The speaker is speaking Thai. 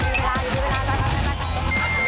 อีกแล้ว